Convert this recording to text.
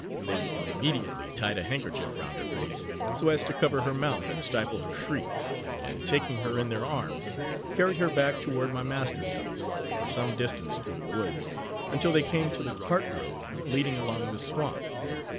They immediately tied a handkerchief round her face, so as to cover her mouth and stifle her shrieks; and taking her in their arms, carried her back toward my master's house, for some distance, through the woods, until they came to the cart road leading along the swamp.